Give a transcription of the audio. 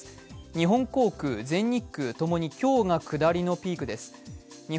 日本航空、全日空ともに今日が下りのピークです。